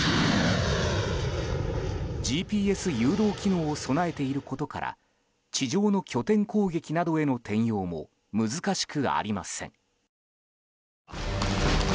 ＧＰＳ誘導機能を備えていることから地上の拠点攻撃などへの転用も難しくありません。